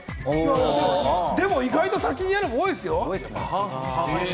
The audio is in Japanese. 意外と先にやる派多いですよ。